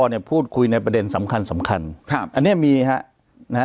เนี่ยพูดคุยในประเด็นสำคัญสำคัญครับอันเนี้ยมีฮะนะฮะ